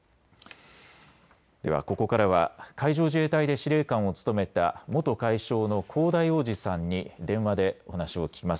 ではここからは海上自衛隊で司令官を務めた元海将の香田洋二さんに電話でお話を聞きます。